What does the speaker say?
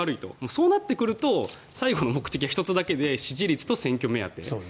そうなってくると最後の目的は１つだけで支持率と選挙目当て。